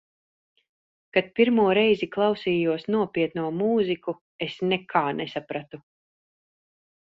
Kad pirmo reizi klausījos nopietno mūziku, es nekā nesapratu.